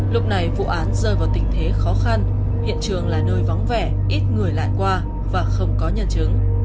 lúc này vụ án rơi vào tình thế khó khăn hiện trường là nơi vắng vẻ ít người lại qua và không có nhân chứng